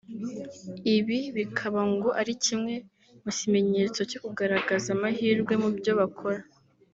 Ibi bikaba ngo ari kimwe mu kimenyetso cyo kugaragaza amahirwe mubyo bakora